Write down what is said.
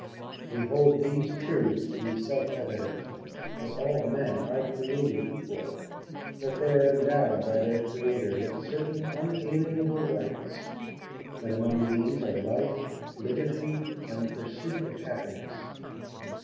We hold these truths to be self evident, that all men are created equal, that they are endowed by their Creator with certain unalienable Rights, that among these are Life, Liberty, and the pursuit of Happiness.